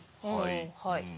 はい。